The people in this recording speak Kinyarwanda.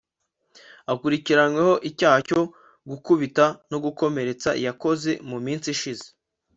Akurikiranyweho icyaha cyo gukubita no gukomeretsa yakoze mu minsi ishize